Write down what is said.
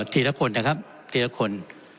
ทีละคนนะครับทีละคน